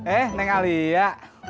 eh neng alia